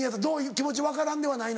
気持ち分からんではないの？